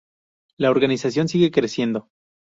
La organización sigue creciendo.